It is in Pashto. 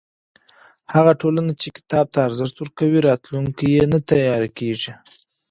هغه ټولنه چې کتاب ته ارزښت ورکوي، راتلونکی یې نه تیاره کېږي.